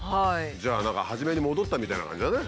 じゃあ何か初めに戻ったみたいな感じだね。